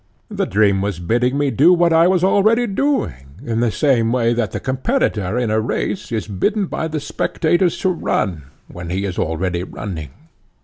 The dream was bidding me do what I was already doing, in the same way that the competitor in a race is bidden by the spectators to run when he is already running.